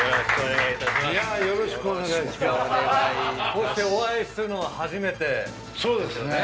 こうしてお会いするのは初めてですよね。